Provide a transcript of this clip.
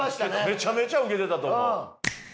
めちゃめちゃウケてたと思う。